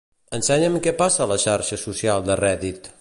Ensenya'm què passa a la xarxa social de Reddit.